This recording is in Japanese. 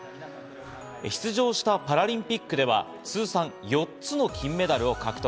出場したパラリンピックでは通算４つの金メダルを獲得。